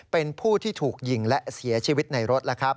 เป็นผู้ที่ถูกยิงและเสียชีวิตในรถ